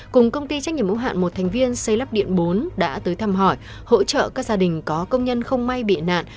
cùng công ty trách nhiệm ủng hạn một thành viên xây lắp điện bốn đã tới thăm hỏi hỗ trợ các gia đình có công nhân không may bị nạn